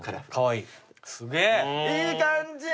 いい感じー！